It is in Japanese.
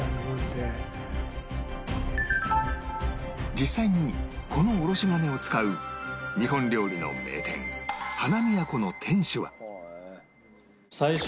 実際にこのおろし金を使う日本料理の名店花みやこの店主は